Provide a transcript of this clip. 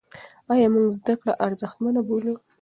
ایا موږ زده کړه ارزښتمنه بولو؟